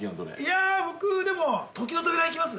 ◆いやぁ、僕でも「時の扉」行きます？